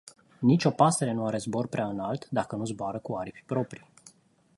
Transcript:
Nici o pasăre nu are zbor prea înalt, dacă nu zboară cu aripi proprii.